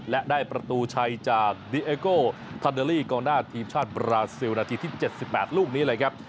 และได้ประตูชัยจากดีเอโกทันเดอรี่กองหน้าทีมชาติบราซิลนาทีที่๗๘ลูกนี้เลยครับ